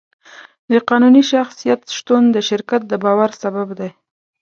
د قانوني شخصیت شتون د شرکت د باور سبب دی.